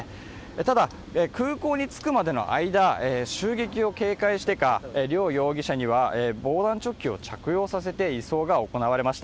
ただ空港に着くまでの間襲撃を警戒してか両容疑者には防弾チョッキを着用させて移送が行われました。